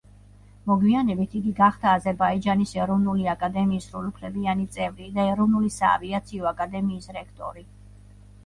მოგვიანებით იგი გახდა აზერბაიჯანის ეროვნული აკადემიის სრულუფლებიანი წევრი და ეროვნული საავიაციო აკადემიის რექტორი.